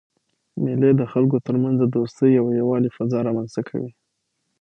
مېلې د خلکو ترمنځ د دوستۍ او یووالي فضا رامنځ ته کوي.